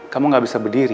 kamu gak bisa berdiri